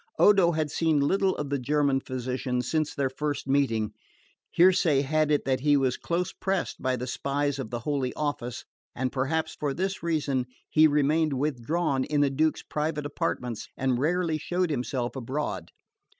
Odo had seen little of the German physician since their first meeting. Hearsay had it that he was close pressed by the spies of the Holy Office, and perhaps for this reason he remained withdrawn in the Duke's private apartments and rarely showed himself abroad.